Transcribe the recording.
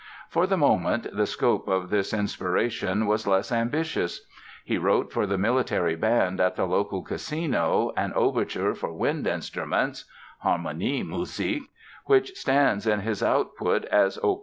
For the moment, the scope of this inspiration was less ambitious. He wrote for the military band at the local casino an overture for wind instruments ("Harmoniemusik"), which stands in his output as Op.